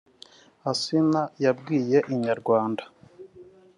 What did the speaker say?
Asinah yabwiye Inyarwanda